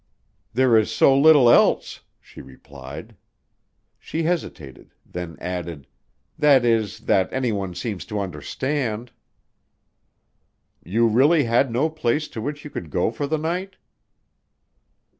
"There is so little else," she replied. She hesitated, then added, "That is, that anyone seems to understand." "You really had no place to which you could go for the night?"